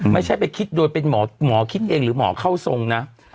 ไม่ใช่ไปคิดโดยเป็นหมอคิดเองหรือหมอเข้าทรงนะ